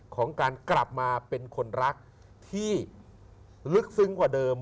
ของการกลับมาเป็นคนรักที่ลึกซึ้งกว่าเดิม